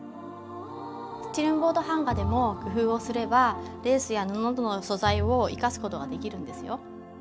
スチレンボード版画でも工夫をすればレースや布などの素材を生かす事ができるんですよ。